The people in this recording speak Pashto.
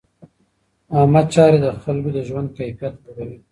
عامه چارې د خلکو د ژوند کیفیت لوړوي.